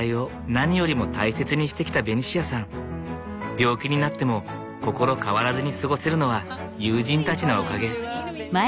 病気になっても心変わらずに過ごせるのは友人たちのおかげ。